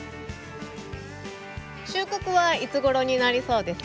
収穫はいつごろになりそうですか？